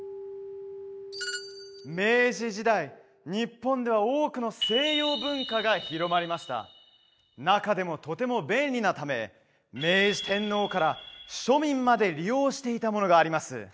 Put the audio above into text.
明治時代日本では多くの西洋文化が広まりました中でもとても便利なため明治天皇から庶民まで利用していたものがあります